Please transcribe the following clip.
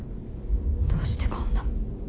どうしてこんな。